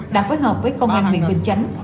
đã phối hợp với công an huyện bình chánh